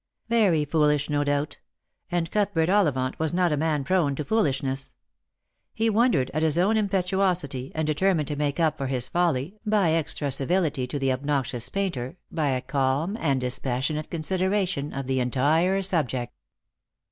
Very foolish, no doubt ; and Cuthbert Ollivant was not a man prone to foolishness. He wondered at his own impetu osity, and determined to make up for his folly by extra civility to the obnoxious painter, by a calm and dispassionate con sideration of the entire subject.